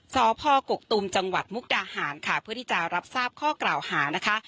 สพกกตุมจังหวัดมุกดาหารค่ะเพื่อที่จะรับทราบข้อกล่าวหานะคะ